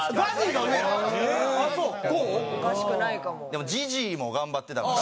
でもジジーも頑張ってたから。